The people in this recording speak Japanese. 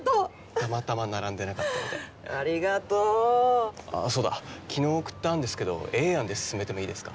たまたま並んでなかったのでありがとうそうだ昨日送ったんですけどＡ案で進めてもいいですか？